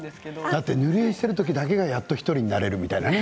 だって塗り絵している時だけが、やっと１人になれるみたいなね。